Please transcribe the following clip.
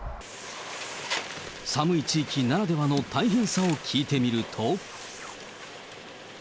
寒い地域ならではの大変さを聞いてみると。